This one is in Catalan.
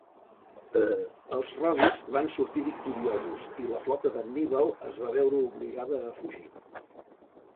Els rodis van sortir victoriosos, i la flota d'Anníbal es va veure obligada a fugir.